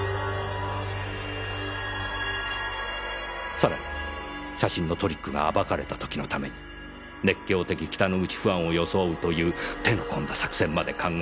さらに写真のトリックが暴かれた時のために熱狂的北之口ファンを装うという手の込んだ作戦まで考え